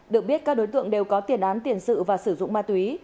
được biết các đối tượng đều có tiền án tiền sự và sử dụng ma túy